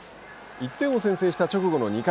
１点を先制した直後の２回。